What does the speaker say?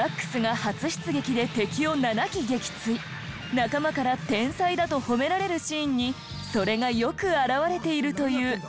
仲間から天才だと褒められるシーンにそれがよく表れているという。